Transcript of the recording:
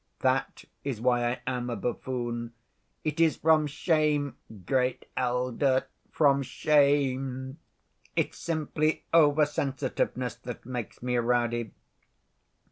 That is why I am a buffoon. It is from shame, great elder, from shame; it's simply over‐sensitiveness that makes me rowdy.